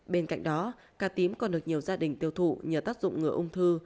bên cạnh đó cá tím còn được nhiều gia đình tiêu thụ nhờ tác dụng ngừa ung thư